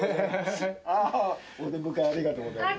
あお出迎えありがとうございます